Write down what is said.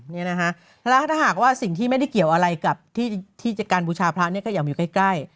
แล้วถ้าหากว่าสิ่งที่ไม่ได้เกี่ยวอะไรกับที่การบูชาพระเนี่ยก็อยากอยู่ใกล้